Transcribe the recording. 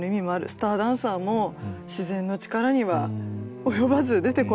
スターダンサーも自然の力には及ばず出てこれない。